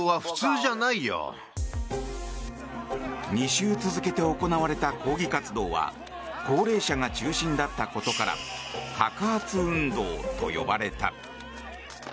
２週続けて行われた抗議活動は高齢者が中心だったことから白髪運動と呼ばれた。